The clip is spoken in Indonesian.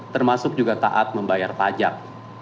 termasuk juga taat membayar pajak